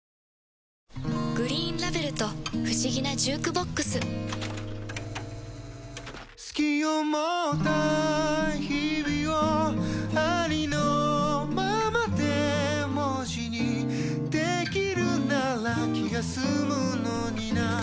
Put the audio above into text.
「グリーンラベル」と不思議なジュークボックス“好き”を持った日々をありのままで文字にできるなら気が済むのにな